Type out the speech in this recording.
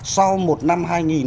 sau một năm hai nghìn hai mươi ba